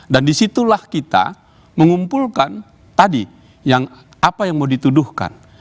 dan disitulah kita mengumpulkan tadi yang apa yang mau dituduhkan